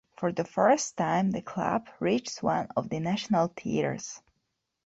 For the first time the club reached one of the national tiers.